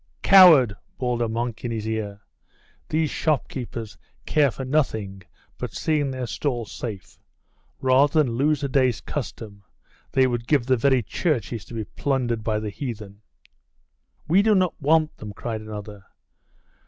'Coward!' bawled a monk in his ear. 'These shopkeepers care for nothing but seeing their stalls safe. Rather than lose a day's custom, they would give the very churches to be plundered by the heathen!' 'We do not want them!' cried another.